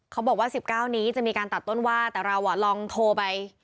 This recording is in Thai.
บอกว่า๑๙นี้จะมีการตัดต้นว่าแต่เราลองโทรไป